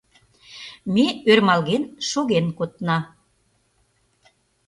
Ме ӧрмалген шоген кодна.